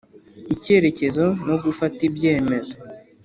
Icyerekezo no gufata ibyemezo